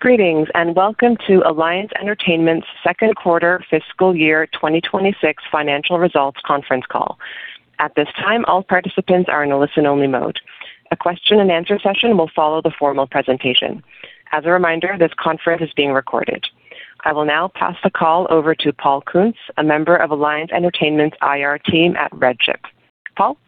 Greetings, and welcome to Alliance Entertainment's second quarter fiscal year 2026 financial results conference call. At this time, all participants are in a listen-only mode. A question-and-answer session will follow the formal presentation. As a reminder, this conference is being recorded. I will now pass the call over to Paul Kuntz, a member of Alliance Entertainment's IR team at RedChip. Paul? Pardon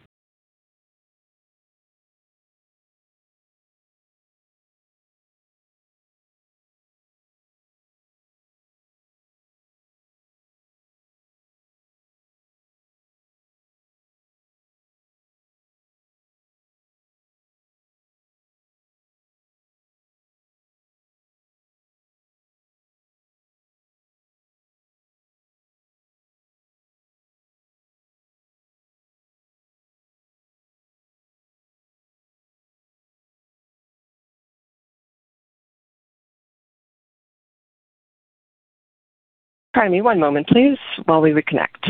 me one moment, please, while we reconnect.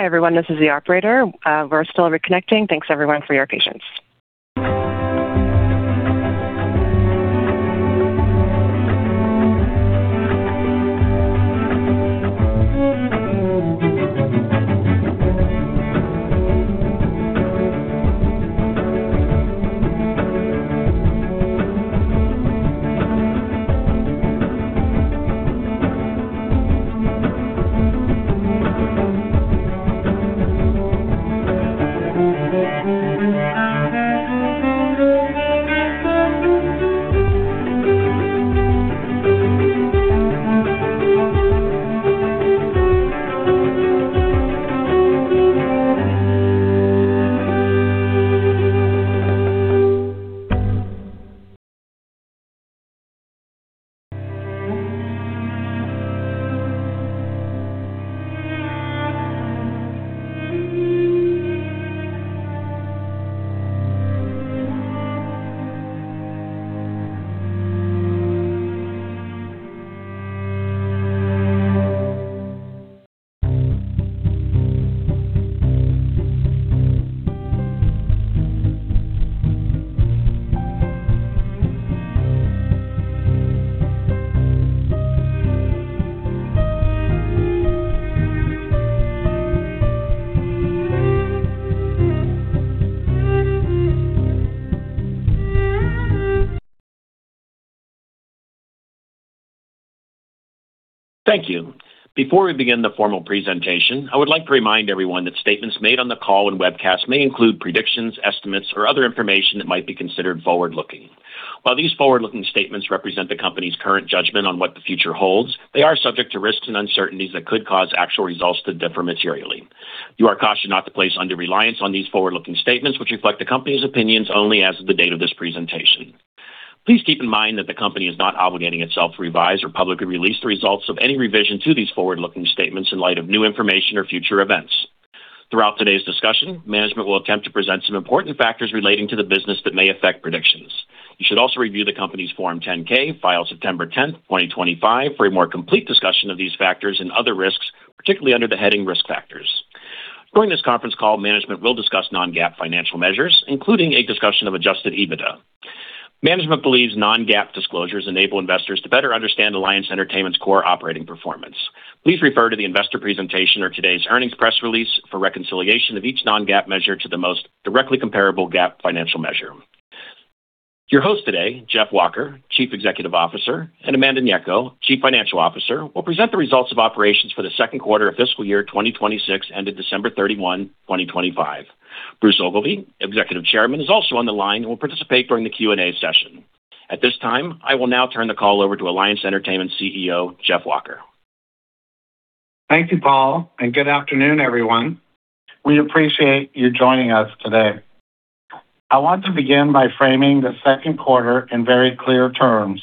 Hi, everyone, this is the operator. We're still reconnecting. Thanks, everyone, for your patience. Thank you. Before we begin the formal presentation, I would like to remind everyone that statements made on the call and webcast may include predictions, estimates, or other information that might be considered forward-looking. While these forward-looking statements represent the company's current judgment on what the future holds, they are subject to risks and uncertainties that could cause actual results to differ materially. You are cautioned not to place undue reliance on these forward-looking statements, which reflect the company's opinions only as of the date of this presentation. Please keep in mind that the company is not obligating itself to revise or publicly release the results of any revision to these forward-looking statements in light of new information or future events. Throughout today's discussion, management will attempt to present some important factors relating to the business that may affect predictions. You should also review the company's Form 10-K, filed September 10, 2025, for a more complete discussion of these factors and other risks, particularly under the heading Risk Factors. During this conference call, management will discuss non-GAAP financial measures, including a discussion of Adjusted EBITDA. Management believes non-GAAP disclosures enable investors to better understand Alliance Entertainment's core operating performance. Please refer to the investor presentation or today's earnings press release for reconciliation of each non-GAAP measure to the most directly comparable GAAP financial measure. Your host today, Jeff Walker, Chief Executive Officer, and Amanda Gnecco, Chief Financial Officer, will present the results of operations for the second quarter of fiscal year 2026, ended December 31, 2025. Bruce Ogilvie, Executive Chairman, is also on the line and will participate during the Q&A session. At this time, I will now turn the call over to Alliance Entertainment CEO, Jeff Walker. Thank you, Paul, and good afternoon, everyone. We appreciate you joining us today. I want to begin by framing the second quarter in very clear terms,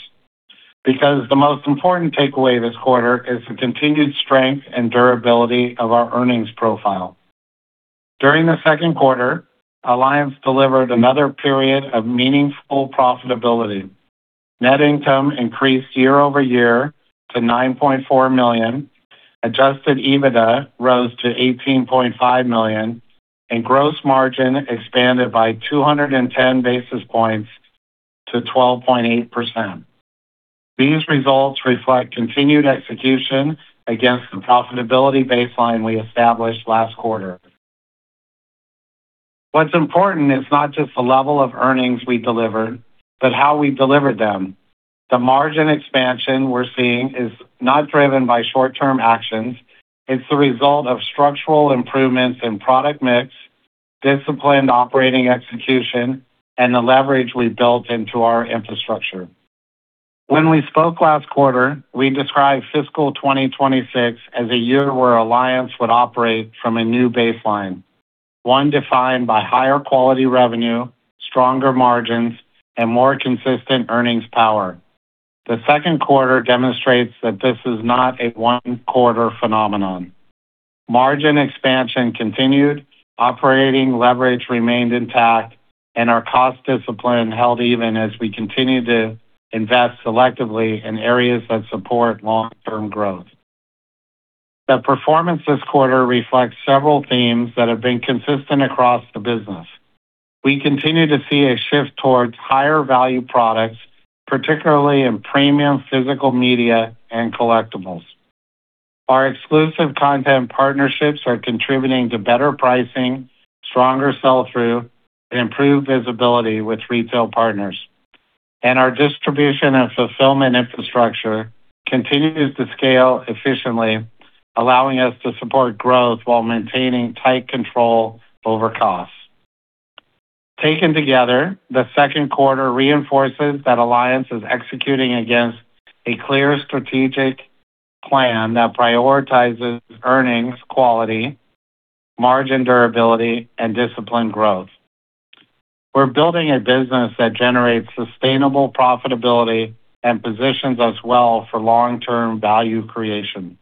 because the most important takeaway this quarter is the continued strength and durability of our earnings profile. During the second quarter, Alliance delivered another period of meaningful profitability. Net income increased year-over-year to $9.4 million, Adjusted EBITDA rose to $18.5 million, and gross margin expanded by 210 basis points to 12.8%. These results reflect continued execution against the profitability baseline we established last quarter. What's important is not just the level of earnings we delivered, but how we delivered them. The margin expansion we're seeing is not driven by short-term actions. It's the result of structural improvements in product mix, disciplined operating execution, and the leverage we've built into our infrastructure. When we spoke last quarter, we described fiscal 2026 as a year where Alliance would operate from a new baseline, one defined by higher quality revenue, stronger margins, and more consistent earnings power. The second quarter demonstrates that this is not a one-quarter phenomenon. Margin expansion continued, operating leverage remained intact, and our cost discipline held even as we continued to invest selectively in areas that support long-term growth. The performance this quarter reflects several themes that have been consistent across the business. We continue to see a shift towards higher-value products, particularly in premium physical media and collectibles. Our exclusive content partnerships are contributing to better pricing, stronger sell-through, and improved visibility with retail partners. Our distribution and fulfillment infrastructure continues to scale efficiently, allowing us to support growth while maintaining tight control over costs. Taken together, the second quarter reinforces that Alliance is executing against a clear strategic plan that prioritizes earnings quality, margin durability, and disciplined growth. We're building a business that generates sustainable profitability and positions us well for long-term value creation.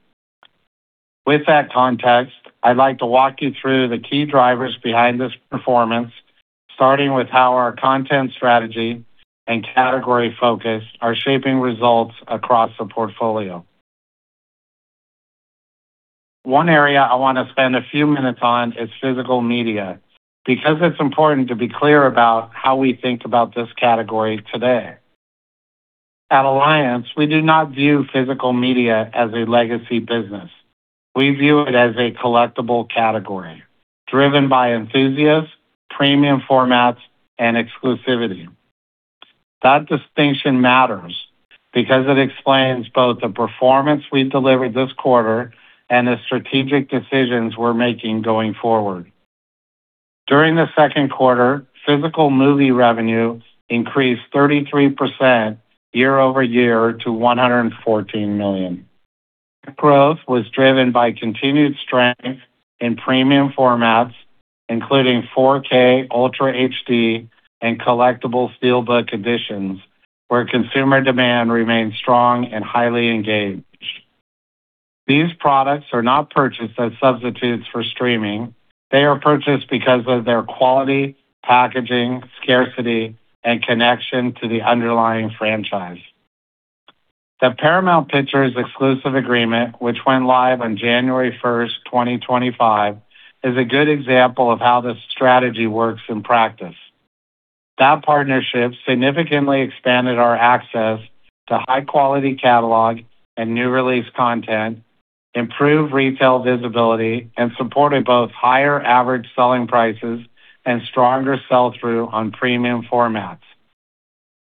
With that context, I'd like to walk you through the key drivers behind this performance, starting with how our content strategy and category focus are shaping results across the portfolio. One area I want to spend a few minutes on is physical media, because it's important to be clear about how we think about this category today. At Alliance, we do not view physical media as a legacy business. We view it as a collectible category, driven by enthusiasts, premium formats, and exclusivity. That distinction matters because it explains both the performance we delivered this quarter and the strategic decisions we're making going forward. During the second quarter, physical movie revenue increased 33% year-over-year to $114 million. That growth was driven by continued strength in premium formats, including 4K, Ultra HD, and collectible SteelBook editions, where consumer demand remains strong and highly engaged. These products are not purchased as substitutes for streaming. They are purchased because of their quality, packaging, scarcity, and connection to the underlying franchise. The Paramount Pictures exclusive agreement, which went live on January 1, 2025, is a good example of how this strategy works in practice. That partnership significantly expanded our access to high-quality catalog and new-release content, improved retail visibility, and supported both higher average selling prices and stronger sell-through on premium formats.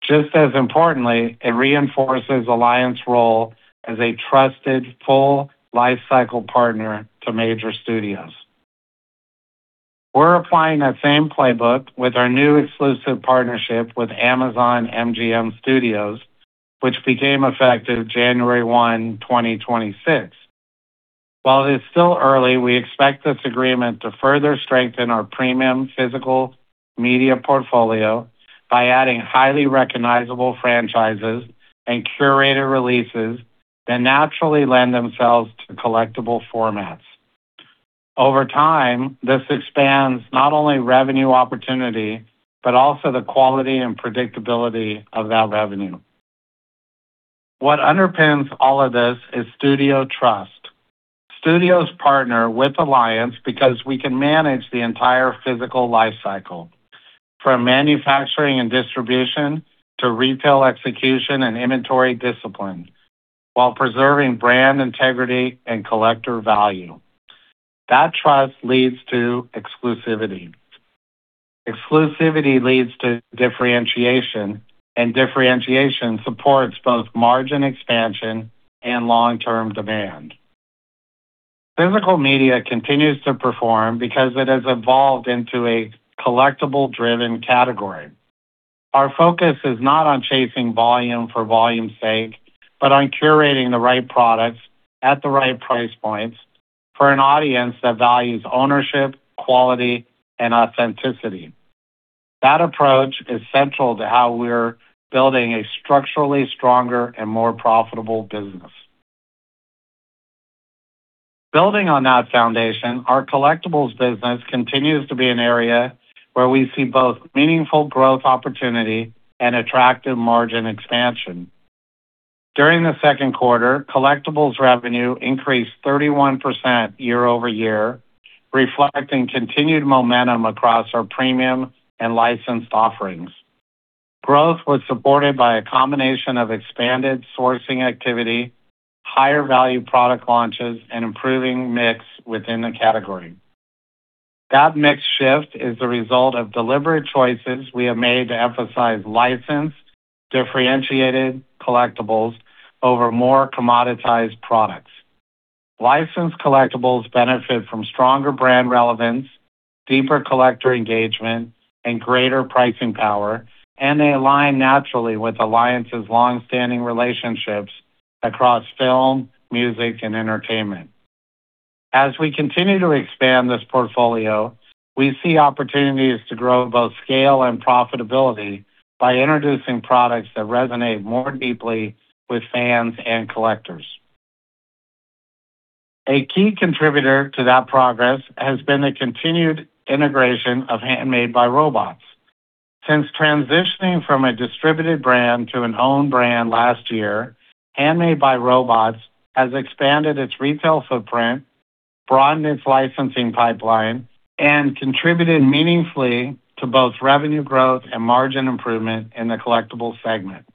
Just as importantly, it reinforces Alliance's role as a trusted full lifecycle partner to major studios. We're applying that same playbook with our new exclusive partnership with Amazon MGM Studios, which became effective January 1, 2026. While it's still early, we expect this agreement to further strengthen our premium physical media portfolio by adding highly recognizable franchises and curated releases that naturally lend themselves to collectible formats. Over time, this expands not only revenue opportunity, but also the quality and predictability of that revenue. What underpins all of this is studio trust. Studios partner with Alliance because we can manage the entire physical life cycle, from manufacturing and distribution to retail execution and inventory discipline, while preserving brand integrity and collector value. That trust leads to exclusivity. Exclusivity leads to differentiation, and differentiation supports both margin expansion and long-term demand. Physical media continues to perform because it has evolved into a collectible-driven category. Our focus is not on chasing volume for volume's sake, but on curating the right products at the right price points for an audience that values ownership, quality, and authenticity. That approach is central to how we're building a structurally stronger and more profitable business. Building on that foundation, our collectibles business continues to be an area where we see both meaningful growth opportunity and attractive margin expansion. During the second quarter, collectibles revenue increased 31% year-over-year, reflecting continued momentum across our premium and licensed offerings. Growth was supported by a combination of expanded sourcing activity, higher value product launches, and improving mix within the category. That mix shift is the result of deliberate choices we have made to emphasize licensed, differentiated collectibles over more commoditized products. Licensed collectibles benefit from stronger brand relevance, deeper collector engagement, and greater pricing power, and they align naturally with Alliance's long-standing relationships across film, music, and entertainment. As we continue to expand this portfolio, we see opportunities to grow both scale and profitability by introducing products that resonate more deeply with fans and collectors. A key contributor to that progress has been the continued integration of Handmade by Robots. Since transitioning from a distributed brand to an owned brand last year, Handmade by Robots has expanded its retail footprint, broadened its licensing pipeline, and contributed meaningfully to both revenue growth and margin improvement in the collectibles segment.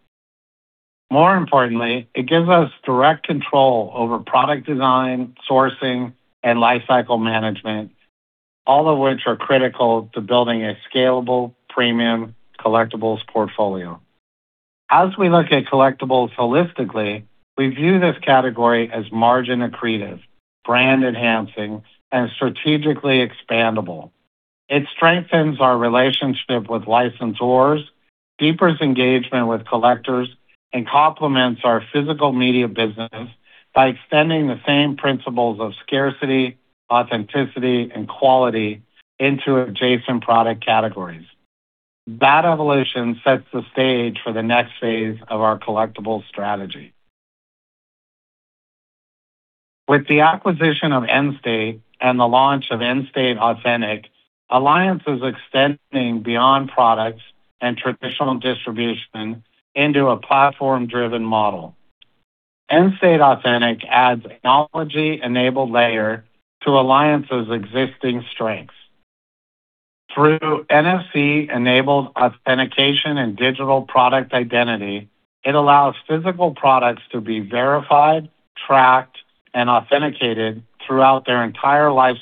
More importantly, it gives us direct control over product design, sourcing, and lifecycle management, all of which are critical to building a scalable premium collectibles portfolio. As we look at collectibles holistically, we view this category as margin accretive, brand-enhancing, and strategically expandable. It strengthens our relationship with licensors, deepens engagement with collectors, and complements our physical media business by extending the same principles of scarcity, authenticity, and quality into adjacent product categories. That evolution sets the stage for the next phase of our collectibles strategy. With the acquisition of Endstate and the launch of Endstate Authentic, Alliance is extending beyond products and traditional distribution into a platform-driven model. Endstate Authentic adds technology-enabled layer to Alliance's existing strengths. Through NFC-enabled authentication and digital product identity, it allows physical products to be verified, tracked, and authenticated throughout their entire life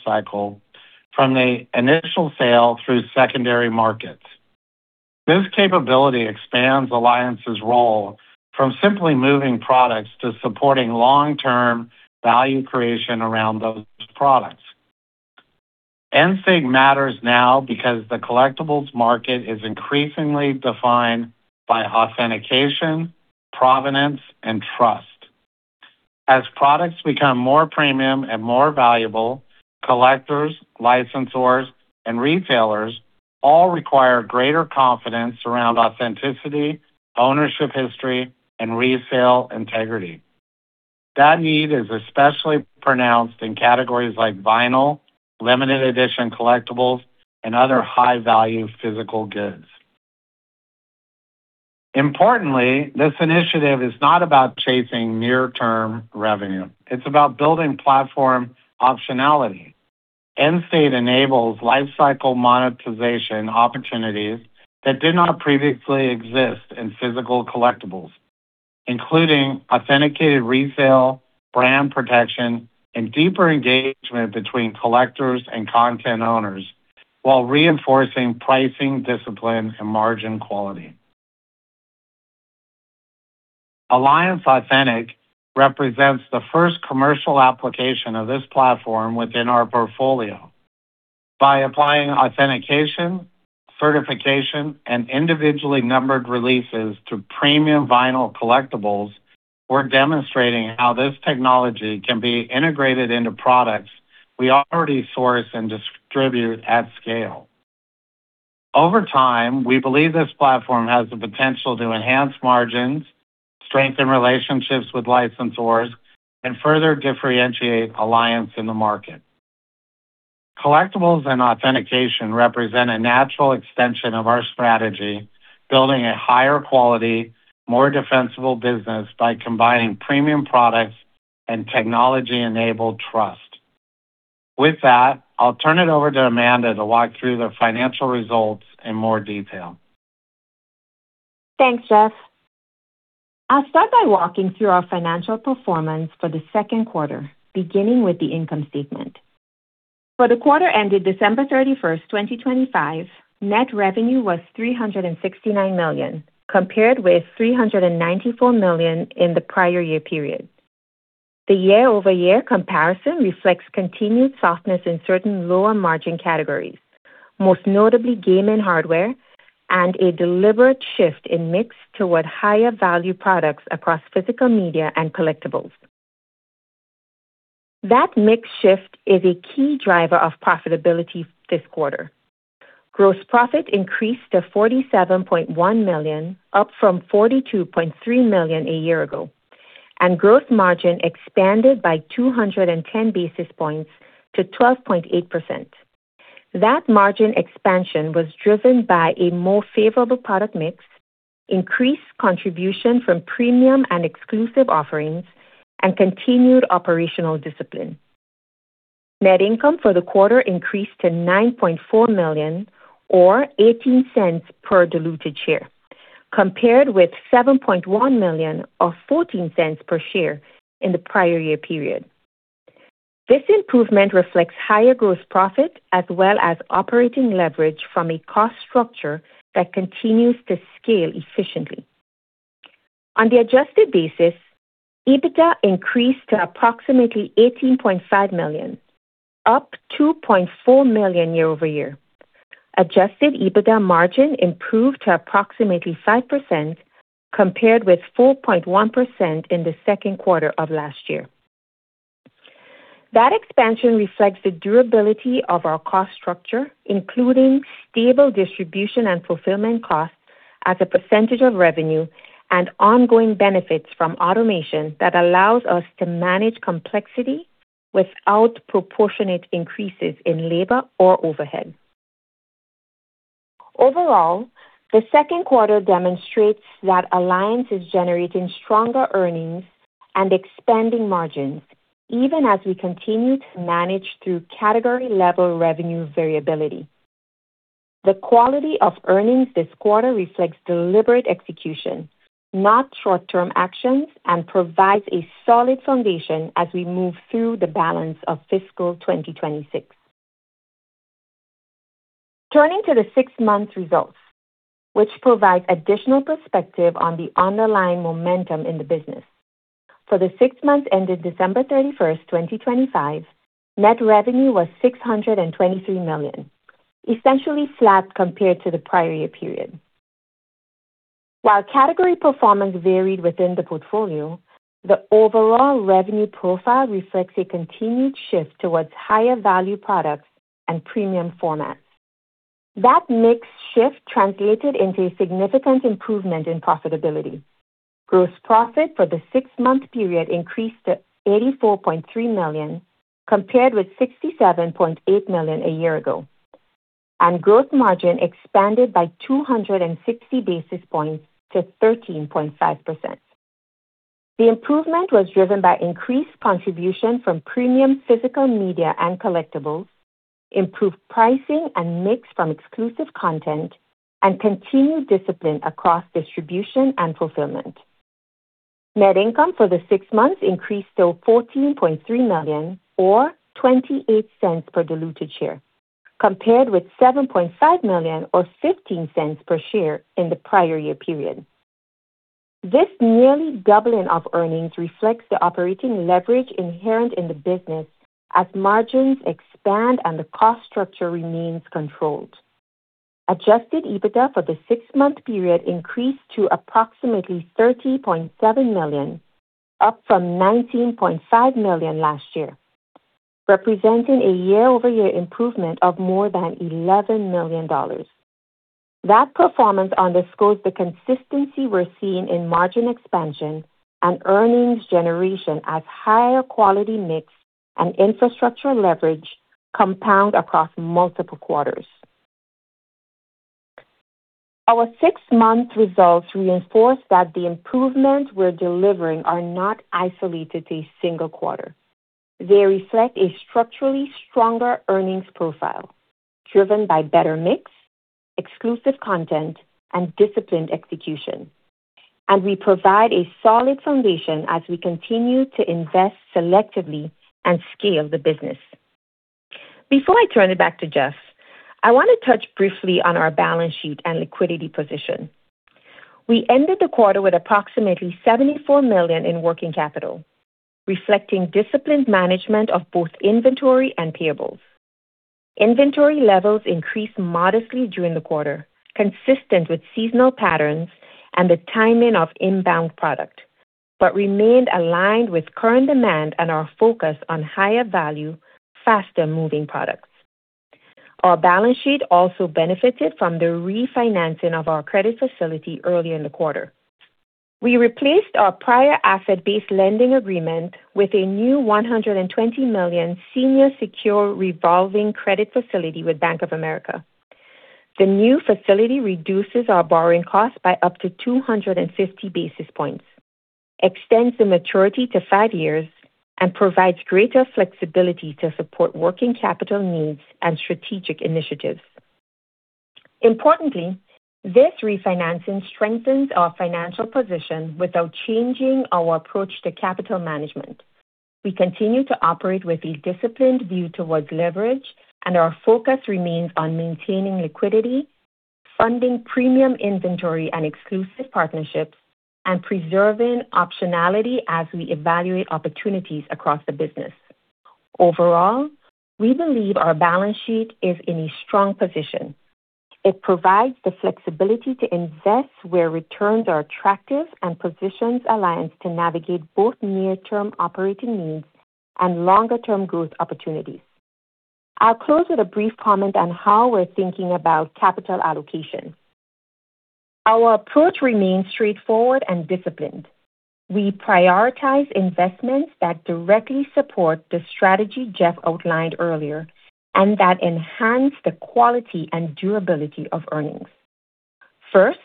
cycle, from the initial sale through secondary markets. This capability expands Alliance's role from simply moving products to supporting long-term value creation around those products. Endstate matters now because the collectibles market is increasingly defined by authentication, provenance, and trust. As products become more premium and more valuable, collectors, licensors, and retailers all require greater confidence around authenticity, ownership history, and resale integrity. That need is especially pronounced in categories like vinyl, limited edition collectibles, and other high-value physical goods. Importantly, this initiative is not about chasing near-term revenue. It's about building platform optionality. Endstate enables lifecycle monetization opportunities that did not previously exist in physical collectibles, including authenticated resale, brand protection, and deeper engagement between collectors and content owners, while reinforcing pricing, discipline, and margin quality. Alliance Authentic represents the first commercial application of this platform within our portfolio. By applying authentication, certification, and individually numbered releases to premium vinyl collectibles, we're demonstrating how this technology can be integrated into products we already source and distribute at scale. Over time, we believe this platform has the potential to enhance margins, strengthen relationships with licensors, and further differentiate Alliance in the market. Collectibles and authentication represent a natural extension of our strategy, building a higher quality, more defensible business by combining premium products and technology-enabled trust. With that, I'll turn it over to Amanda to walk through the financial results in more detail. Thanks, Jeff. I'll start by walking through our financial performance for the second quarter, beginning with the income statement. For the quarter ended December 31, 2025, net revenue was $369 million, compared with $394 million in the prior year period. The year-over-year comparison reflects continued softness in certain lower margin categories, most notably gaming hardware and a deliberate shift in mix toward higher value products across physical media and collectibles. That mix shift is a key driver of profitability this quarter. Gross profit increased to $47.1 million, up from $42.3 million a year ago, and gross margin expanded by 210 basis points to 12.8%. That margin expansion was driven by a more favorable product mix, increased contribution from premium and exclusive offerings, and continued operational discipline. Net income for the quarter increased to $9.4 million, or $0.18 per diluted share, compared with $7.1 million, or $0.14 per share in the prior year period. This improvement reflects higher gross profit, as well as operating leverage from a cost structure that continues to scale efficiently. On the adjusted basis, Adjusted EBITDA increased to approximately $18.5 million, up $2.4 million year-over-year. Adjusted EBITDA margin improved to approximately 5%, compared with 4.1% in the second quarter of last year. That expansion reflects the durability of our cost structure, including stable distribution and fulfillment costs as a percentage of revenue and ongoing benefits from automation that allows us to manage complexity without proportionate increases in labor or overhead. Overall, the second quarter demonstrates that Alliance is generating stronger earnings and expanding margins, even as we continue to manage through category-level revenue variability. The quality of earnings this quarter reflects deliberate execution, not short-term actions, and provides a solid foundation as we move through the balance of fiscal 2026. Turning to the six-month results, which provide additional perspective on the underlying momentum in the business. For the six months ended December 31, 2025, net revenue was $623 million, essentially flat compared to the prior year period. While category performance varied within the portfolio, the overall revenue profile reflects a continued shift towards higher value products and premium formats. That mix shift translated into a significant improvement in profitability. Gross profit for the six-month period increased to $84.3 million, compared with $67.8 million a year ago, and gross margin expanded by 260 basis points to 13.5%. The improvement was driven by increased contribution from premium physical media and collectibles, improved pricing and mix from exclusive content, and continued discipline across distribution and fulfillment. Net income for the six months increased to $14.3 million, or $0.28 per diluted share, compared with $7.5 million, or $0.15 per share in the prior year period. This nearly doubling of earnings reflects the operating leverage inherent in the business as margins expand and the cost structure remains controlled. Adjusted EBITDA for the six-month period increased to approximately $30.7 million, up from $19.5 million last year, representing a year-over-year improvement of more than $11 million. That performance underscores the consistency we're seeing in margin expansion and earnings generation as higher quality mix and infrastructure leverage compound across multiple quarters. Our six-month results reinforce that the improvements we're delivering are not isolated to a single quarter. They reflect a structurally stronger earnings profile driven by better mix, exclusive content, and disciplined execution, and we provide a solid foundation as we continue to invest selectively and scale the business. Before I turn it back to Jeff, I want to touch briefly on our balance sheet and liquidity position. We ended the quarter with approximately $74 million in working capital, reflecting disciplined management of both inventory and payables. Inventory levels increased modestly during the quarter, consistent with seasonal patterns and the timing of inbound product, but remained aligned with current demand and our focus on higher value, faster-moving products. Our balance sheet also benefited from the refinancing of our credit facility early in the quarter. We replaced our prior asset-based lending agreement with a new $120 million senior secured revolving credit facility with Bank of America. The new facility reduces our borrowing costs by up to 250 basis points, extends the maturity to five years, and provides greater flexibility to support working capital needs and strategic initiatives. Importantly, this refinancing strengthens our financial position without changing our approach to capital management. We continue to operate with a disciplined view towards leverage, and our focus remains on maintaining liquidity, funding premium inventory and exclusive partnerships, and preserving optionality as we evaluate opportunities across the business. Overall, we believe our balance sheet is in a strong position. It provides the flexibility to invest where returns are attractive and positions Alliance to navigate both near-term operating needs and longer-term growth opportunities. I'll close with a brief comment on how we're thinking about capital allocation. Our approach remains straightforward and disciplined. We prioritize investments that directly support the strategy Jeff outlined earlier, and that enhance the quality and durability of earnings. First,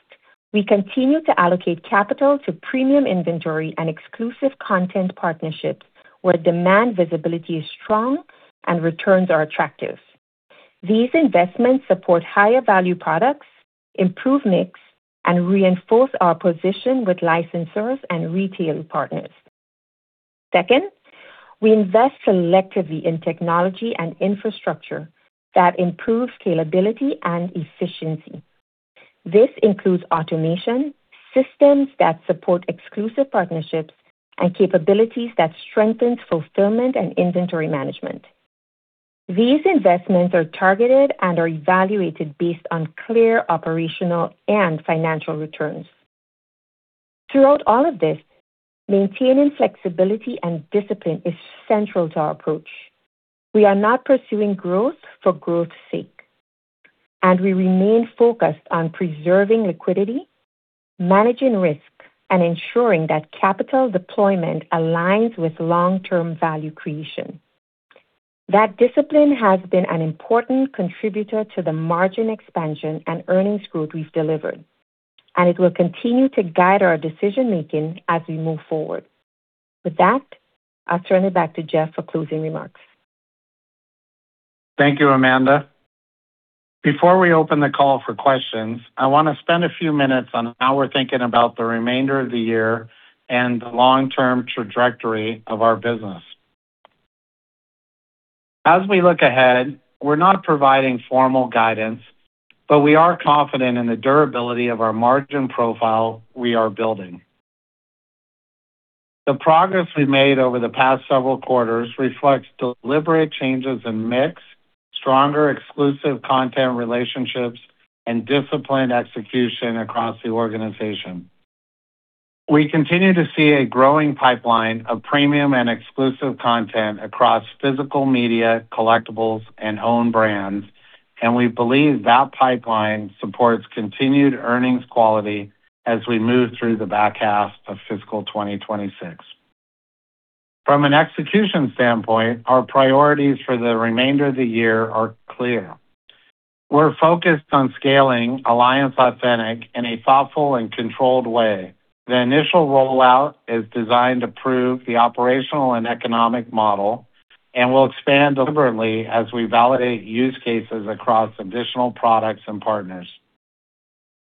we continue to allocate capital to premium inventory and exclusive content partnerships, where demand visibility is strong and returns are attractive. These investments support higher value products, improve mix, and reinforce our position with licensors and retail partners. Second, we invest selectively in technology and infrastructure that improves scalability and efficiency. This includes automation, systems that support exclusive partnerships, and capabilities that strengthens fulfillment and inventory management. These investments are targeted and are evaluated based on clear operational and financial returns. Throughout all of this, maintaining flexibility and discipline is central to our approach. We are not pursuing growth for growth's sake, and we remain focused on preserving liquidity, managing risk, and ensuring that capital deployment aligns with long-term value creation. That discipline has been an important contributor to the margin expansion and earnings growth we've delivered, and it will continue to guide our decision-making as we move forward. With that, I'll turn it back to Jeff for closing remarks. Thank you, Amanda. Before we open the call for questions, I want to spend a few minutes on how we're thinking about the remainder of the year and the long-term trajectory of our business. As we look ahead, we're not providing formal guidance, but we are confident in the durability of our margin profile we are building. The progress we made over the past several quarters reflects deliberate changes in mix, stronger exclusive content relationships, and disciplined execution across the organization. We continue to see a growing pipeline of premium and exclusive content across physical media, collectibles, and own brands, and we believe that pipeline supports continued earnings quality as we move through the back half of fiscal 2026. From an execution standpoint, our priorities for the remainder of the year are clear. We're focused on scaling Alliance Authentic in a thoughtful and controlled way. The initial rollout is designed to prove the operational and economic model, and we'll expand deliberately as we validate use cases across additional products and partners.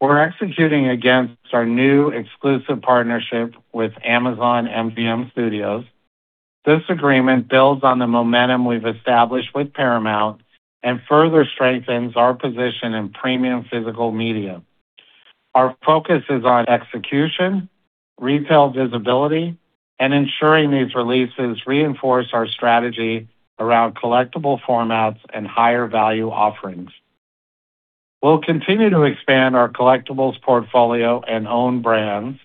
We're executing against our new exclusive partnership with Amazon MGM Studios. This agreement builds on the momentum we've established with Paramount and further strengthens our position in premium physical media. Our focus is on execution, retail visibility, and ensuring these releases reinforce our strategy around collectible formats and higher value offerings. We'll continue to expand our collectibles portfolio and own brands.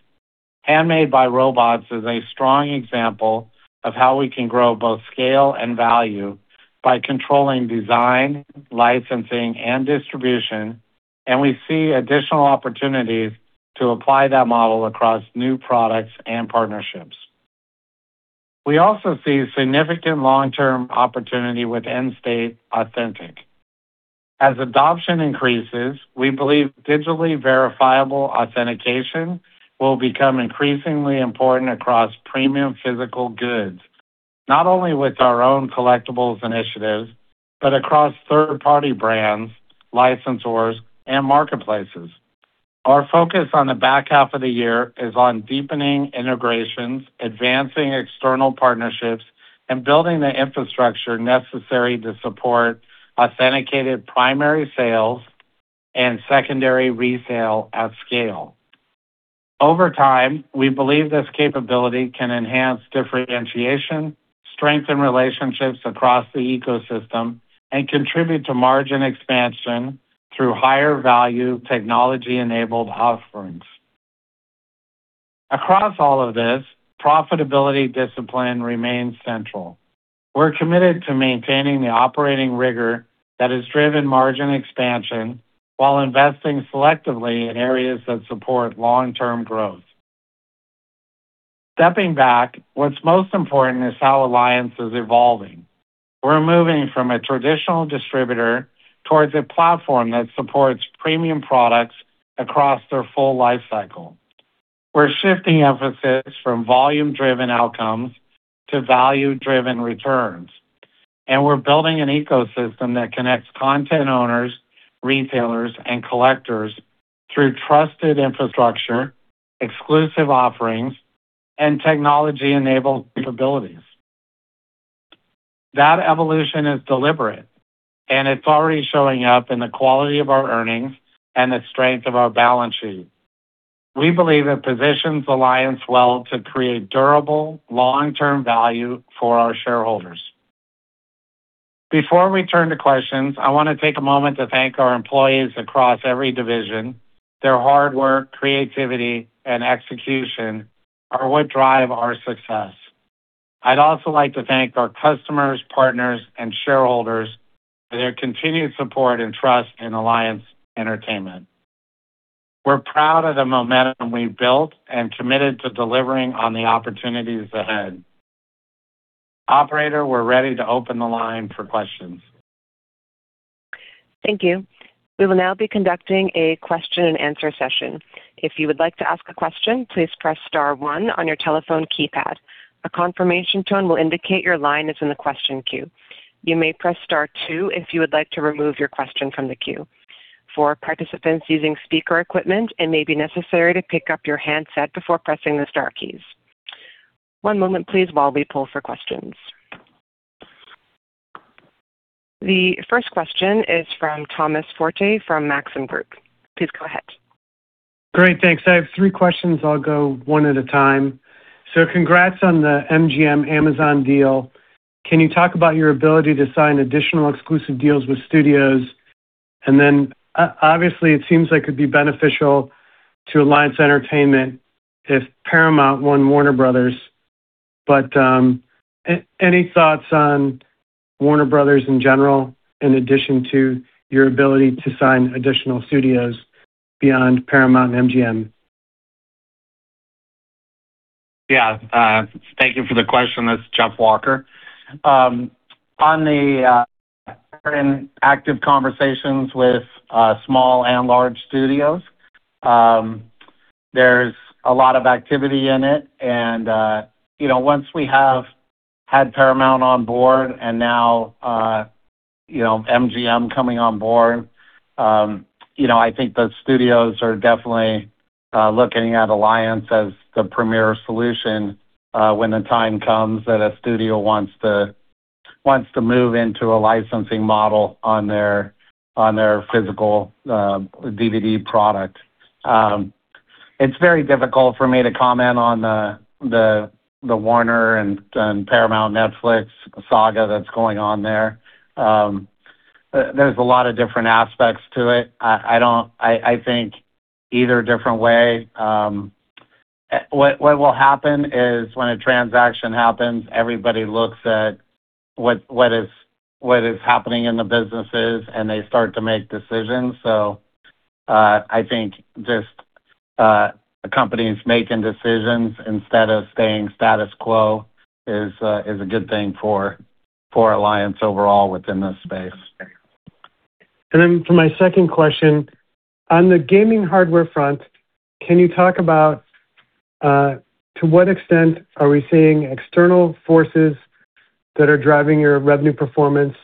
Handmade by Robots is a strong example of how we can grow both scale and value by controlling design, licensing, and distribution, and we see additional opportunities to apply that model across new products and partnerships. We also see significant long-term opportunity with Endstate Authentic. As adoption increases, we believe digitally verifiable authentication will become increasingly important across premium physical goods, not only with our own collectibles initiatives, but across third-party brands, licensors, and marketplaces. Our focus on the back half of the year is on deepening integrations, advancing external partnerships, and building the infrastructure necessary to support authenticated primary sales and secondary resale at scale. Over time, we believe this capability can enhance differentiation, strengthen relationships across the ecosystem, and contribute to margin expansion through higher value technology-enabled offerings. Across all of this, profitability discipline remains central. We're committed to maintaining the operating rigor that has driven margin expansion while investing selectively in areas that support long-term growth. Stepping back, what's most important is how Alliance is evolving. We're moving from a traditional distributor towards a platform that supports premium products across their full life cycle. We're shifting emphasis from volume-driven outcomes to value-driven returns, and we're building an ecosystem that connects content owners, retailers, and collectors through trusted infrastructure, exclusive offerings, and technology-enabled capabilities. That evolution is deliberate, and it's already showing up in the quality of our earnings and the strength of our balance sheet. We believe it positions Alliance well to create durable, long-term value for our shareholders. Before we turn to questions, I want to take a moment to thank our employees across every division. Their hard work, creativity, and execution are what drive our success. I'd also like to thank our customers, partners, and shareholders for their continued support and trust in Alliance Entertainment. We're proud of the momentum we've built and committed to delivering on the opportunities ahead. Operator, we're ready to open the line for questions. Thank you. We will now be conducting a question-and-answer session. If you would like to ask a question, please press star one on your telephone keypad. A confirmation tone will indicate your line is in the question queue. You may press star two if you would like to remove your question from the queue. For participants using speaker equipment, it may be necessary to pick up your handset before pressing the star keys. One moment, please, while we pull for questions. The first question is from Thomas Forte from Maxim Group. Please go ahead. Great, thanks. I have three questions. I'll go one at a time. So congrats on the Amazon MGM deal. Can you talk about your ability to sign additional exclusive deals with studios? And then, obviously, it seems like it'd be beneficial to Alliance Entertainment if Paramount and Warner Bros. But, any thoughts on Warner Bros. in general, in addition to your ability to sign additional studios beyond Paramount and MGM? Yeah, thank you for the question. This is Jeff Walker. We're in active conversations with small and large studios. There's a lot of activity in it, and, you know, once we have had Paramount on board and now, you know, MGM coming on board, you know, I think the studios are definitely looking at Alliance as the premier solution, when the time comes that a studio wants to move into a licensing model on their physical DVD product. It's very difficult for me to comment on the Warner and Paramount-Netflix saga that's going on there. There's a lot of different aspects to it. I think either different way, what will happen is when a transaction happens, everybody looks at what is happening in the businesses, and they start to make decisions. So, I think just companies making decisions instead of staying status quo is a good thing for Alliance overall within this space. And then for my second question, on the gaming hardware front, can you talk about to what extent are we seeing external forces that are driving your revenue performance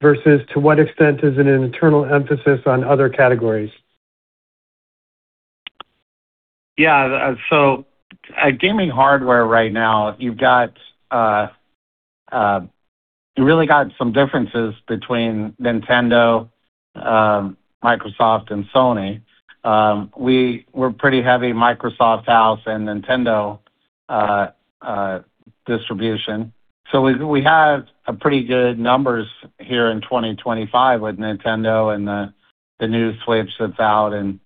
versus to what extent is it an internal emphasis on other categories? Yeah, so at gaming hardware right now, you've got, you really got some differences between Nintendo, Microsoft and Sony. We're pretty heavy Microsoft house and Nintendo distribution. So we have a pretty good numbers here in 2025 with Nintendo and the new Switch that's out, and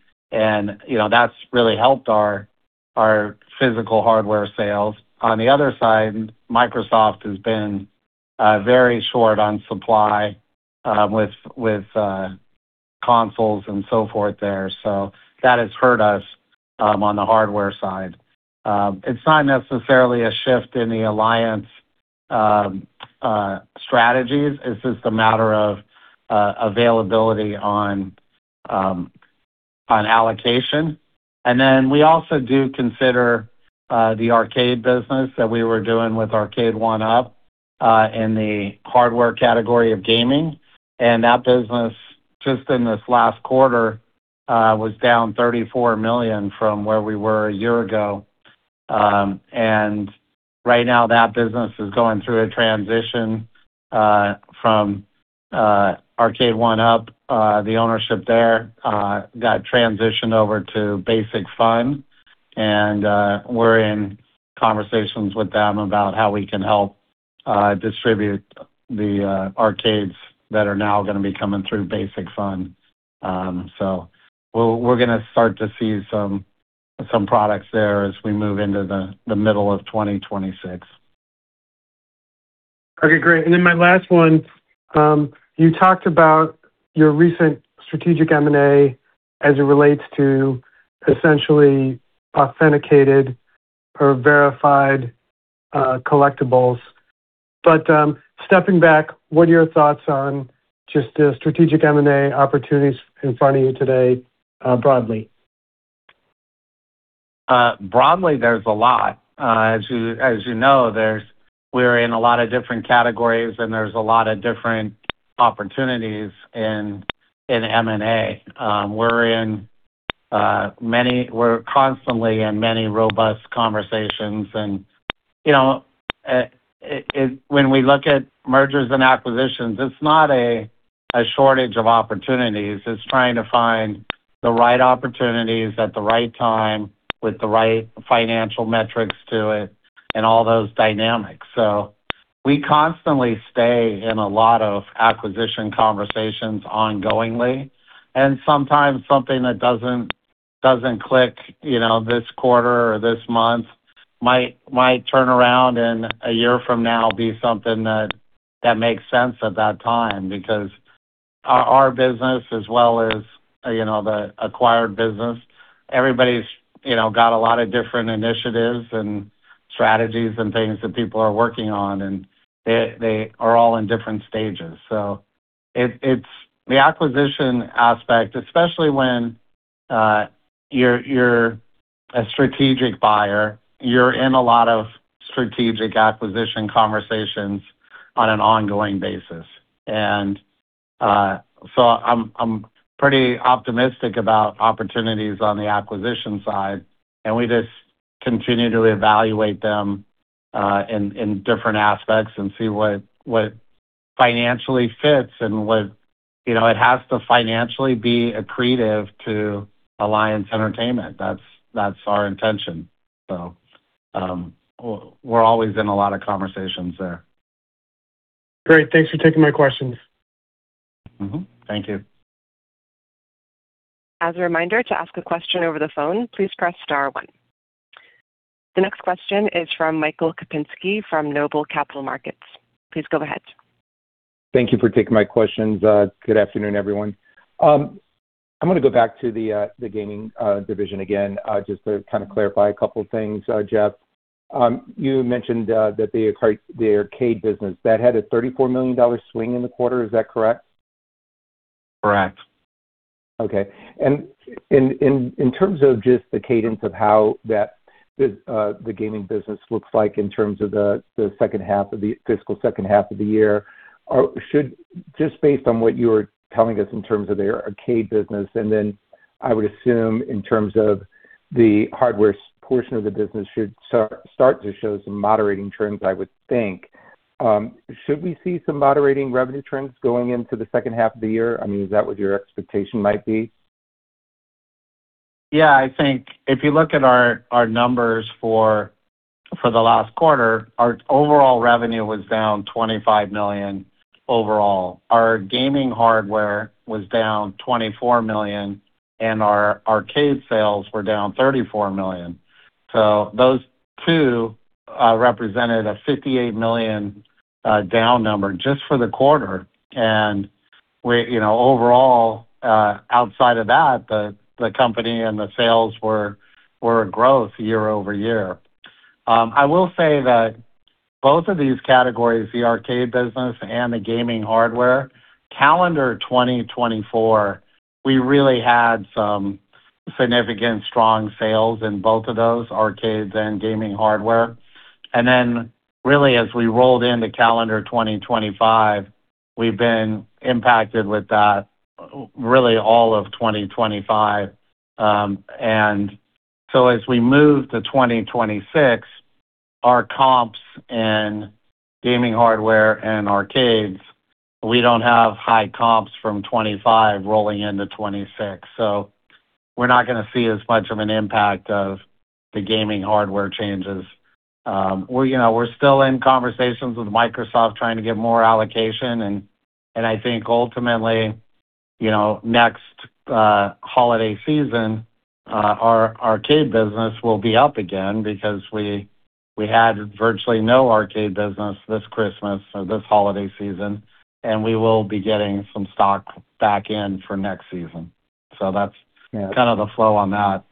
you know, that's really helped our physical hardware sales. On the other side, Microsoft has been very short on supply with consoles and so forth there, so that has hurt us on the hardware side. It's not necessarily a shift in the Alliance strategies. It's just a matter of availability on allocation. And then we also do consider the arcade business that we were doing with Arcade1Up in the hardware category of gaming, and that business, just in this last quarter, was down $34 million from where we were a year ago. And right now, that business is going through a transition from Arcade1Up. The ownership there got transitioned over to Basic Fun! and we're in conversations with them about how we can help distribute the arcades that are now gonna be coming through Basic Fun! So we're gonna start to see some products there as we move into the middle of 2026. Okay, great. And then my last one, you talked about your recent strategic M&A as it relates to essentially authenticated or verified collectibles. But, stepping back, what are your thoughts on just the strategic M&A opportunities in front of you today, broadly? Broadly, there's a lot. As you know, there's, we're in a lot of different categories, and there's a lot of different opportunities in M&A. We're in many. We're constantly in many robust conversations, and, you know, it, when we look at mergers and acquisitions, it's not a shortage of opportunities. It's trying to find the right opportunities at the right time, with the right financial metrics to it and all those dynamics. So we constantly stay in a lot of acquisition conversations ongoingly, and sometimes something that doesn't click, you know, this quarter or this month, might turn around and a year from now be something that makes sense at that time. Because our business as well as, you know, the acquired business, everybody's, you know, got a lot of different initiatives and strategies and things that people are working on, and they are all in different stages. So it's the acquisition aspect, especially when you're a strategic buyer, you're in a lot of strategic acquisition conversations on an ongoing basis. And so I'm pretty optimistic about opportunities on the acquisition side, and we just continue to evaluate them in different aspects and see what financially fits and what you know, it has to financially be accretive to Alliance Entertainment. That's our intention. So we're always in a lot of conversations there. Great, thanks for taking my questions. Mm-hmm, thank you. As a reminder, to ask a question over the phone, please press star one. The next question is from Michael Kupinski from Noble Capital Markets. Please go ahead. Thank you for taking my questions. Good afternoon, everyone. I'm gonna go back to the gaming division again, just to kind of clarify a couple of things, Jeff. You mentioned that the arcade business had a $34 million swing in the quarter. Is that correct? Correct. Okay. And in terms of just the cadence of how that, the gaming business looks like in terms of the second half of the fiscal second half of the year, or should... Just based on what you were telling us in terms of the arcade business, and then I would assume in terms of the hardware portion of the business should start to show some moderating trends, I would think. Should we see some moderating revenue trends going into the second half of the year? I mean, is that what your expectation might be? Yeah, I think if you look at our numbers for the last quarter, our overall revenue was down $25 million overall. Our gaming hardware was down $24 million, and our arcade sales were down $34 million. So those two represented a $58 million down number just for the quarter, and you know, overall, outside of that, the company and the sales were a growth year-over-year. I will say that both of these categories, the arcade business and the gaming hardware, calendar 2024, we really had some significant strong sales in both of those arcades and gaming hardware. And then really, as we rolled into calendar 2025, we've been impacted with that, really all of 2025. And so as we move to 2026, our comps in gaming hardware and arcades, we don't have high comps from 2025 rolling into 2026. So we're not gonna see as much of an impact of the gaming hardware changes. We're, you know, we're still in conversations with Microsoft, trying to get more allocation, and I think ultimately, you know, next holiday season, our arcade business will be up again because we, we had virtually no arcade business this Christmas or this holiday season, and we will be getting some stock back in for next season. So that's kind of the flow on that.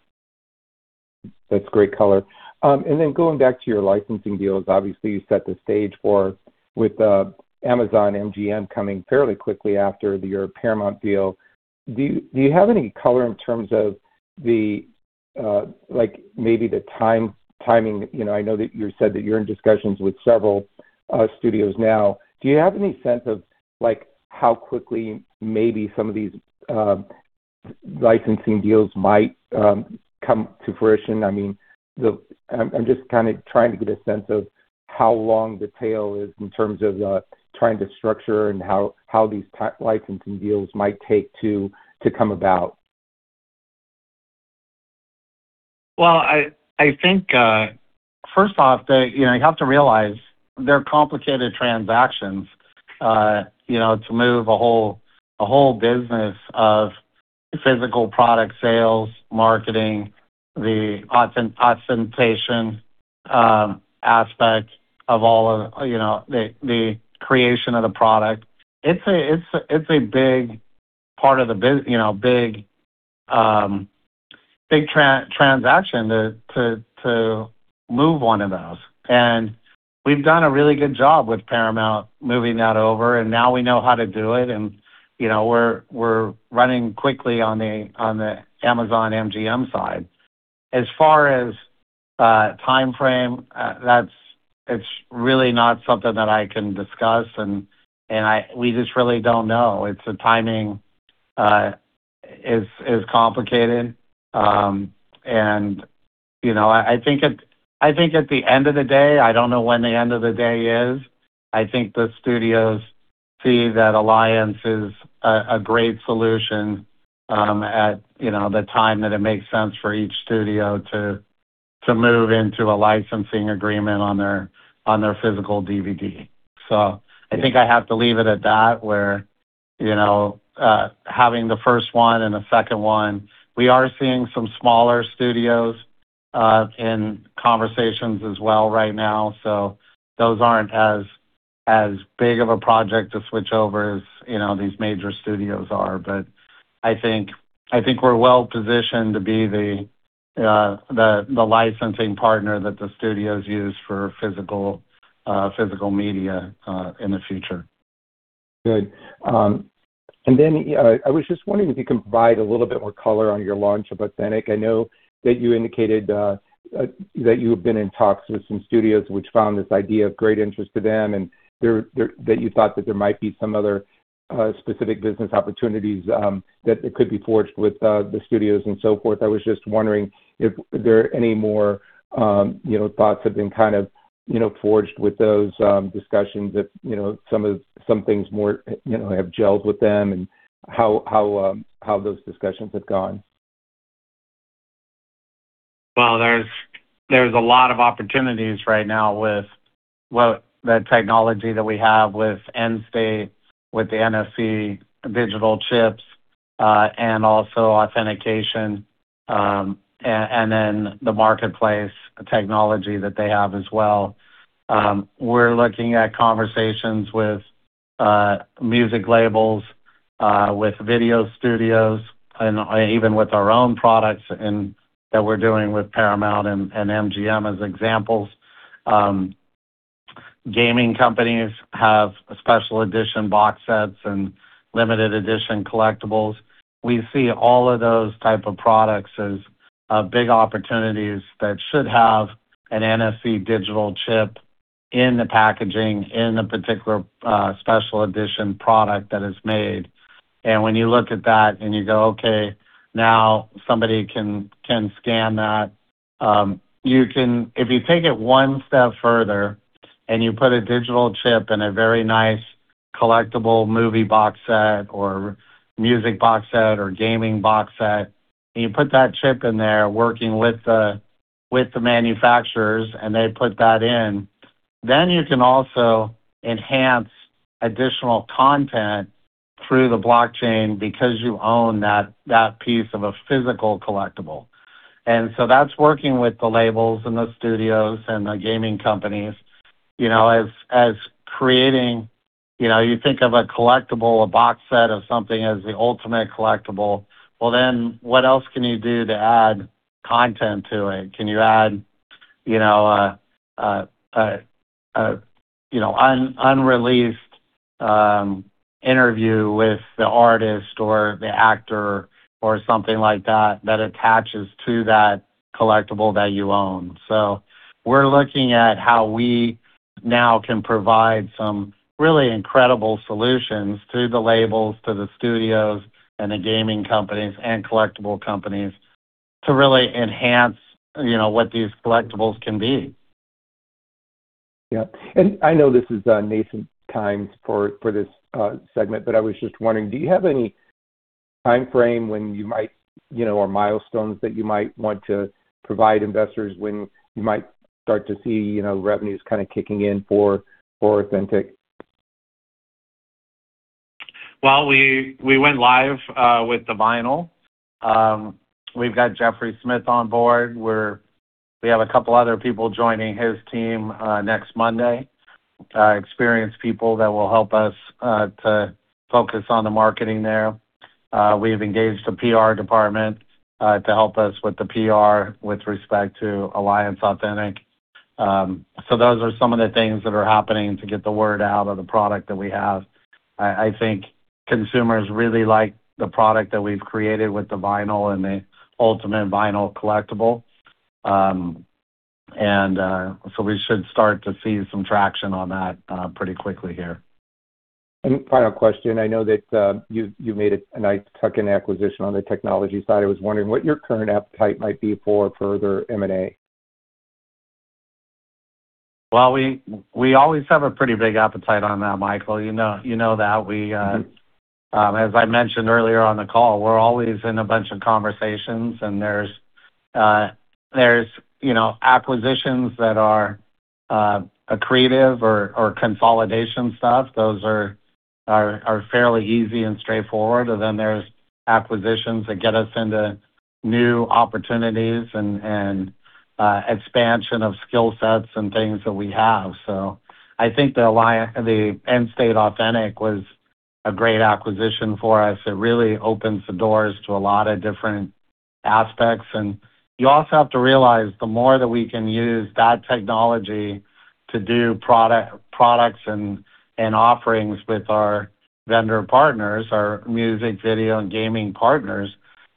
That's great color. And then going back to your licensing deals, obviously, you set the stage for with the Amazon MGM coming fairly quickly after your Paramount deal. Do you have any color in terms of the like maybe the timing? You know, I know that you said that you're in discussions with several studios now. Do you have any sense of like, how quickly maybe some of these licensing deals might come to fruition? I mean, I'm just kind of trying to get a sense of how long the tail is in terms of trying to structure and how these licensing deals might take to come about. Well, I think, first off, you know, you have to realize they're complicated transactions, you know, to move a whole business of physical product sales, marketing, the authentication aspect of all of, you know, the creation of the product. It's a big part of the business, you know, big transaction to move one of those. And we've done a really good job with Paramount moving that over, and now we know how to do it, and, you know, we're running quickly on the Amazon MGM side. As far as timeframe, that's - it's really not something that I can discuss, and I - we just really don't know. It's the timing is complicated. And, you know, I think at the end of the day, I don't know when the end of the day is. I think the studios see that Alliance is a great solution, at, you know, the time that it makes sense for each studio to move into a licensing agreement on their physical DVD. So I think I have to leave it at that, where, you know, having the first one and the second one. We are seeing some smaller studios in conversations as well right now, so those aren't as big of a project to switch over as, you know, these major studios are. But I think we're well positioned to be the licensing partner that the studios use for physical media in the future. Good. And then, I was just wondering if you could provide a little bit more color on your launch of Authentic. I know that you indicated that you have been in talks with some studios which found this idea of great interest to them, and that you thought that there might be some other specific business opportunities that could be forged with the studios and so forth. I was just wondering if there are any more, you know, thoughts have been kind of, you know, forged with those discussions that, you know, some of, some things more, you know, have gelled with them and how those discussions have gone. Well, there's a lot of opportunities right now with the technology that we have with Endstate, with the NFC digital chips, and also authentication, and then the marketplace technology that they have as well. We're looking at conversations with music labels, with video studios, and even with our own products that we're doing with Paramount and MGM as examples. Gaming companies have special edition box sets and limited edition collectibles. We see all of those type of products as big opportunities that should have an NFC digital chip in the packaging, in the particular special edition product that is made. And when you look at that and you go, okay, now somebody can scan that. If you take it one step further, and you put a digital chip in a very nice collectible movie box set or music box set or gaming box set, and you put that chip in there working with the manufacturers, and they put that in, then you can also enhance additional content through the blockchain because you own that piece of a physical collectible. And so that's working with the labels and the studios and the gaming companies, you know, as creating. You know, you think of a collectible, a box set of something as the ultimate collectible. Well, then what else can you do to add content to it? Can you add, you know, an unreleased interview with the artist or the actor or something like that, that attaches to that collectible that you own? So we're looking at how we now can provide some really incredible solutions to the labels, to the studios, and the gaming companies and collectible companies to really enhance, you know, what these collectibles can be. Yeah. And I know this is nascent times for this segment, but I was just wondering, do you have any timeframe when you might, you know, or milestones that you might want to provide investors when you might start to see, you know, revenues kind of kicking in for Authentic? Well, we went live with the vinyl. We've got Jeffrey Smith on board, we have a couple other people joining his team next Monday. Experienced people that will help us to focus on the marketing there. We've engaged a PR department to help us with the PR with respect to Alliance Authentic. So those are some of the things that are happening to get the word out of the product that we have. I think consumers really like the product that we've created with the vinyl and the ultimate vinyl collectible. And so we should start to see some traction on that pretty quickly here. And final question, I know that you made a nice tuck-in acquisition on the technology side. I was wondering what your current appetite might be for further M&A? Well, we always have a pretty big appetite on that, Michael, you know, you know that. We, As I mentioned earlier on the call, we're always in a bunch of conversations, and there's, there's, you know, acquisitions that are, accretive or consolidation stuff. Those are fairly easy and straightforward, and then there's acquisitions that get us into new opportunities and expansion of skill sets and things that we have. So I think the Endstate Authentic was a great acquisition for us. It really opens the doors to a lot of different aspects. And you also have to realize, the more that we can use that technology to do product, products and offerings with our vendor partners, our music, video, and gaming partners,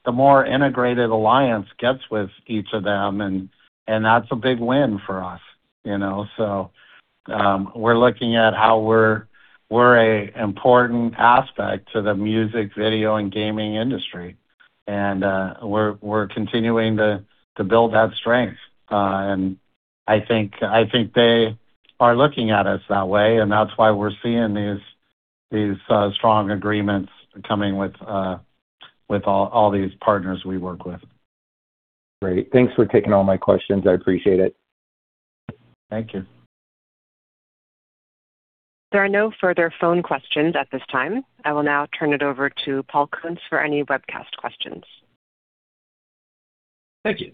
the more integrated Alliance gets with each of them, and that's a big win for us, you know? So, we're looking at how we're a important aspect to the music, video, and gaming industry, and we're continuing to build that strength. And I think they are looking at us that way, and that's why we're seeing these strong agreements coming with all these partners we work with. Great. Thanks for taking all my questions. I appreciate it. Thank you. There are no further phone questions at this time. I will now turn it over to Paul Kuntz for any webcast questions. Thank you.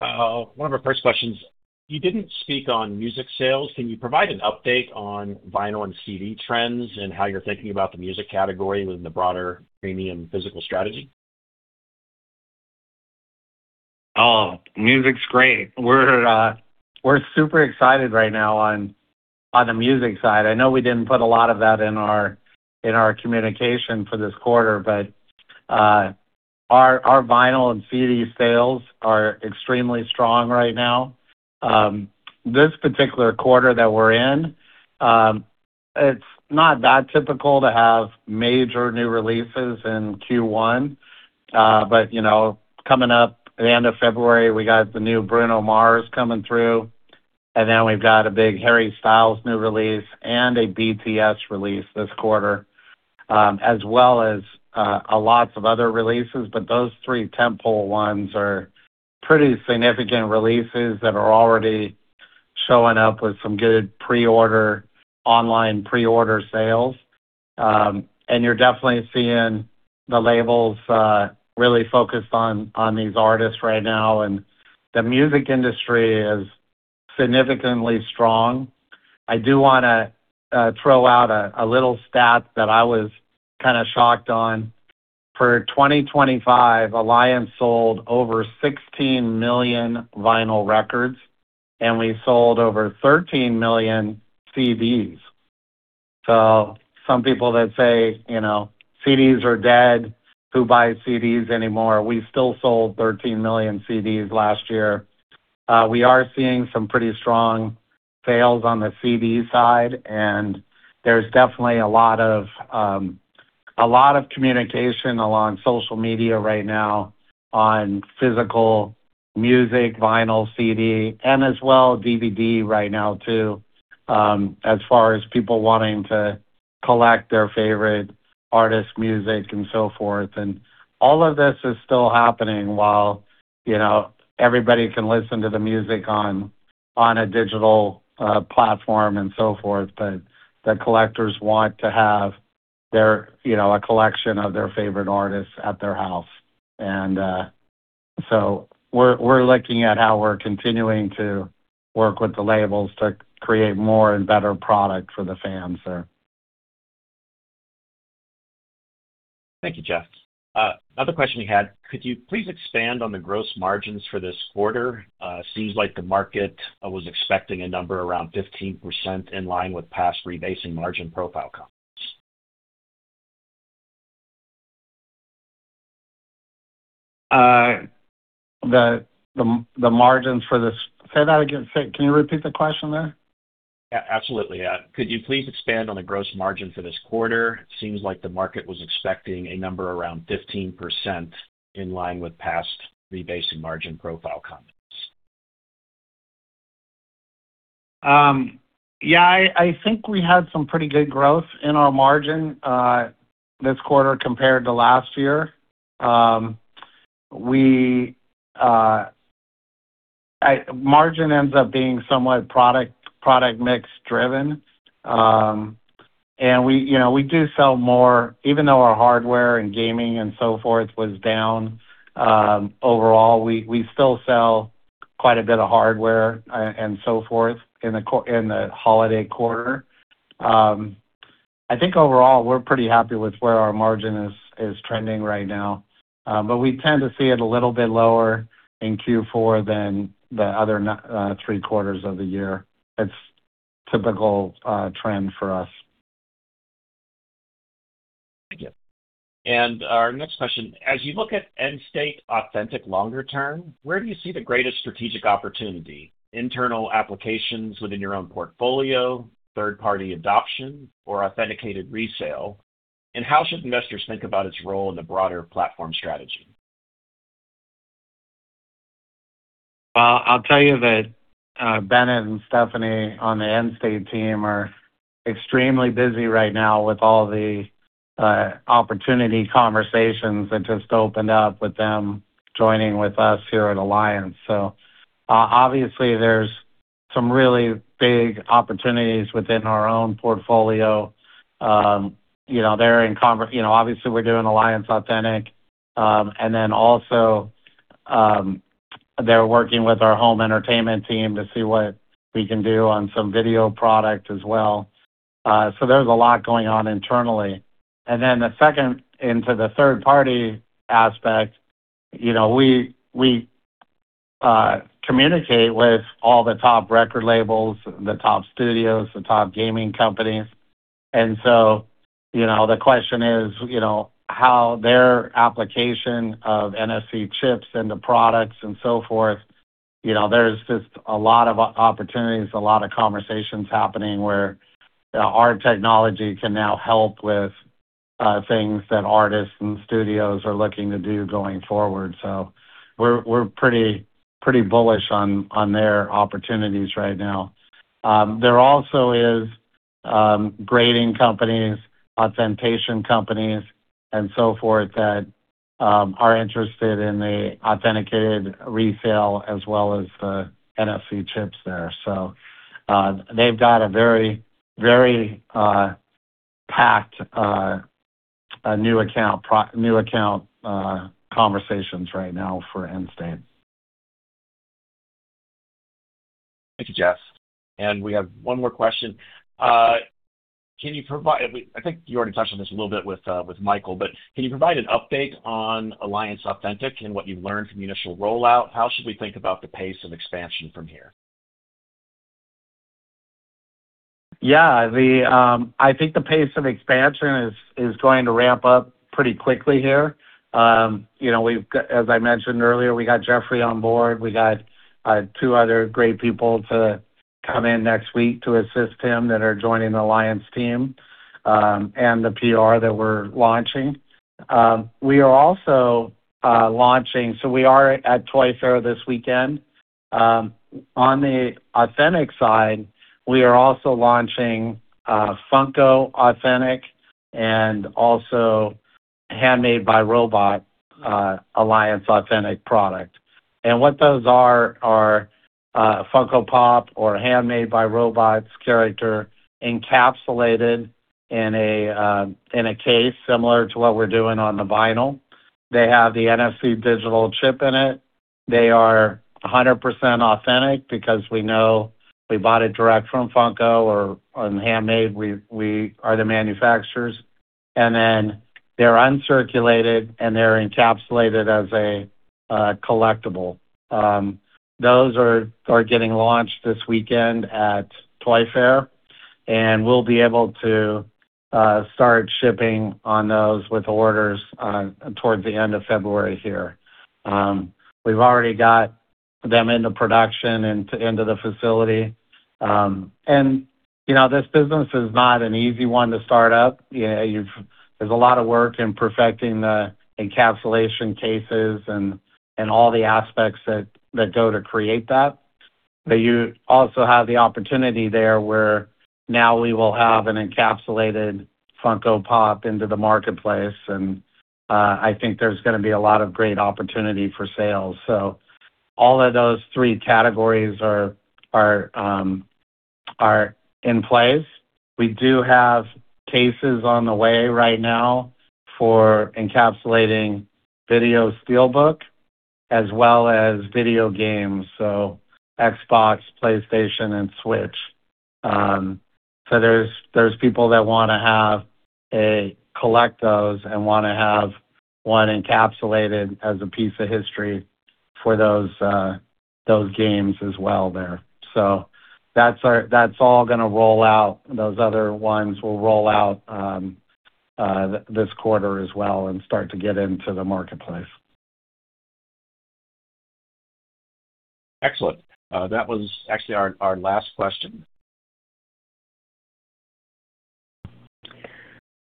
One of our first questions: You didn't speak on music sales. Can you provide an update on vinyl and CD trends and how you're thinking about the music category within the broader premium physical strategy? Oh, music's great. We're, we're super excited right now on, on the music side. I know we didn't put a lot of that in our, in our communication for this quarter, but, our, our vinyl and CD sales are extremely strong right now. This particular quarter that we're in, it's not that typical to have major new releases in Q1. But, you know, coming up at the end of February, we got the new Bruno Mars coming through, and then we've got a big Harry Styles new release and a BTS release this quarter, as well as, a lot of other releases. But those three tentpole ones are pretty significant releases that are already showing up with some good pre-order, online pre-order sales. And you're definitely seeing the labels really focused on these artists right now, and the music industry is significantly strong. I do wanna throw out a little stat that I was kind of shocked on. For 2025, Alliance sold over 16 million vinyl records, and we sold over 13 million CDs. So some people that say, "You know, CDs are dead. Who buys CDs anymore?" We still sold 13 million CDs last year. We are seeing some pretty strong sales on the CD side, and there's definitely a lot of communication along social media right now on physical music, vinyl, CD, and as well, DVD right now, too, as far as people wanting to collect their favorite artist music and so forth. All of this is still happening while, you know, everybody can listen to the music on a digital platform and so forth, but the collectors want to have their, you know, a collection of their favorite artists at their house. So we're looking at how we're continuing to work with the labels to create more and better product for the fans there. Thank you, Jeff. Another question we had: Could you please expand on the gross margins for this quarter? Seems like the market was expecting a number around 15% in line with past rebasing margin profile comments. The margins for this, say that again? Can you repeat the question there? Yeah, absolutely. Could you please expand on the gross margin for this quarter? Seems like the market was expecting a number around 15% in line with past rebasing margin profile comments. Yeah, I think we had some pretty good growth in our margin this quarter compared to last year. We margin ends up being somewhat product mix driven. And we, you know, we do sell more, even though our hardware and gaming and so forth was down, overall, we still sell quite a bit of hardware and so forth in the holiday quarter. I think overall, we're pretty happy with where our margin is trending right now. But we tend to see it a little bit lower in Q4 than the other three quarters of the year. It's typical trend for us. Thank you. Our next question: As you look at Endstate Authentic longer term, where do you see the greatest strategic opportunity, internal applications within your own portfolio, third-party adoption, or authenticated resale? And how should investors think about its role in the broader platform strategy? Well, I'll tell you that, Bennett and Stephanie on the Endstate team are extremely busy right now with all the opportunity conversations that just opened up with them joining with us here at Alliance. So obviously, there's some really big opportunities within our own portfolio. You know, obviously, we're doing Alliance Authentic. And then also, they're working with our home entertainment team to see what we can do on some video product as well. So there's a lot going on internally. And then the second into the third-party aspect, you know, we communicate with all the top record labels, the top studios, the top gaming companies. You know, the question is, you know, how their application of NFC chips and the products and so forth, you know, there's just a lot of opportunities, a lot of conversations happening where our technology can now help with things that artists and studios are looking to do going forward. So we're pretty, pretty bullish on their opportunities right now. There also is grading companies, authentication companies, and so forth that are interested in the authenticated resale as well as the NFC chips there. So, they've got a very, very packed new account conversations right now for Endstate. Thank you, Jeff. And we have one more question. Can you provide... I think you already touched on this a little bit with Michael, but can you provide an update on Alliance Authentic and what you've learned from the initial rollout? How should we think about the pace of expansion from here? Yeah. I think the pace of expansion is going to ramp up pretty quickly here. You know, as I mentioned earlier, we got Jeffrey on board. We got two other great people to come in next week to assist him that are joining the Alliance team, and the PR that we're launching. We are also launching. So we are at Toy Fair this weekend. On the authentic side, we are also launching Funko Authentic and also Handmade by Robots Alliance Authentic product. And what those are Funko Pop! or Handmade by Robots character, encapsulated in a case similar to what we're doing on the vinyl. They have the NFC digital chip in it. They are 100% authentic because we know we bought it direct from Funko or on Handmade, we are the manufacturers, and then they're uncirculated, and they're encapsulated as a collectible. Those are getting launched this weekend at Toy Fair, and we'll be able to start shipping on those with orders towards the end of February here. We've already got them into production and into the facility. And, you know, this business is not an easy one to start up. You know, you've got to—there's a lot of work in perfecting the encapsulation cases and all the aspects that go to create that. But you also have the opportunity there, where now we will have an encapsulated Funko Pop! into the marketplace, and I think there's gonna be a lot of great opportunity for sales. So all of those three categories are in place. We do have cases on the way right now for encapsulating video SteelBook as well as video games, so Xbox, PlayStation, and Switch. So there's people that wanna have a collect those and wanna have one encapsulated as a piece of history for those games as well there. So that's our that's all gonna roll out. Those other ones will roll out this quarter as well and start to get into the marketplace. Excellent. That was actually our, our last question.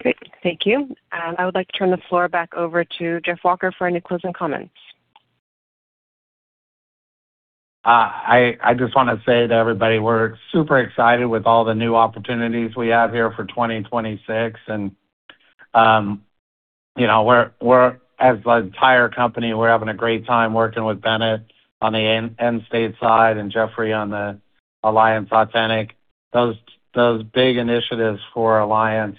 Great. Thank you. I would like to turn the floor back over to Jeff Walker for any closing comments. I just wanna say to everybody, we're super excited with all the new opportunities we have here for 2026. And, you know, we're, as the entire company, we're having a great time working with Bennett on the Endstate side and Jeffrey on the Alliance Authentic. Those big initiatives for Alliance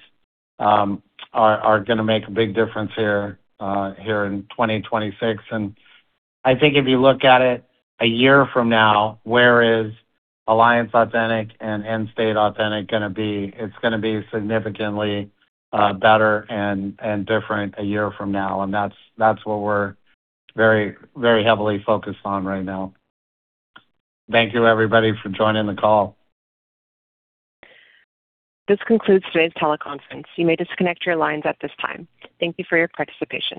are gonna make a big difference here in 2026. And I think if you look at it a year from now, where is Alliance Authentic and Endstate Authentic gonna be? It's gonna be significantly better and different a year from now. And that's what we're very, very heavily focused on right now. Thank you, everybody, for joining the call. This concludes today's teleconference. You may disconnect your lines at this time. Thank you for your participation.